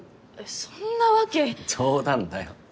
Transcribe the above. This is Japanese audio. そんなわけ冗談だよ